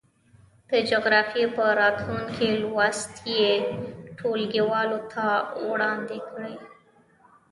د جغرافيې په راتلونکي لوست یې ټولګیوالو ته وړاندې کړئ.